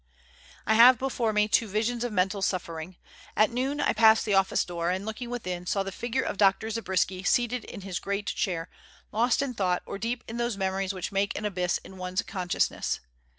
I have before me two visions of mental suffering. At noon I passed the office door, and looking within, saw the figure of Dr. Zabriskie seated in his great chair, lost in thought or deep in those memories which make an abyss in one's consciousness.